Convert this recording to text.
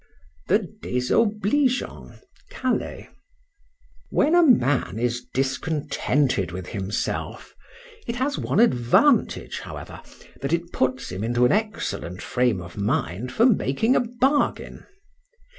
THE DESOBLIGEANT. CALAIS. WHEN a man is discontented with himself, it has one advantage however, that it puts him into an excellent frame of mind for making a bargain.